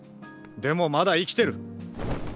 でもまだ生きてる！